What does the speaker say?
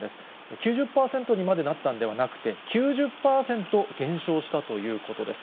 ９０％にまでなったんではなくて、９０％減少したということです。